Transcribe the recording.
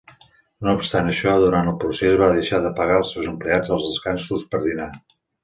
No obstant això, durant el procés va deixar de pagar als seus empleats els descansos per dinar.